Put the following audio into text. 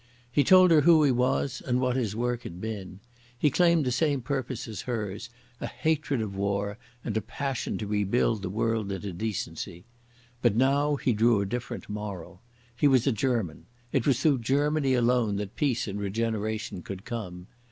He told her who he was and what his work had been. He claimed the same purpose as hers, a hatred of war and a passion to rebuild the world into decency. But now he drew a different moral. He was a German: it was through Germany alone that peace and regeneration could come.